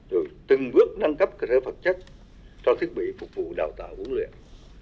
rồi từng bước nâng cấp kinh tế phật chất cho thiết bị phục vụ đào tạo quân luyện